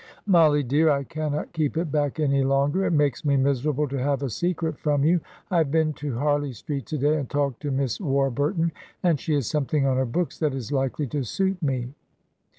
"Mollie, dear, I cannot keep it back any longer it makes me miserable to have a secret from you. I have been to Harley Street to day, and talked to Miss Warburton, and she has something on her books that is likely to suit me."